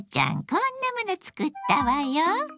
こんなもの作ったわよ。